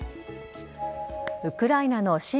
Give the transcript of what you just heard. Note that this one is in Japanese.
ウクライナの親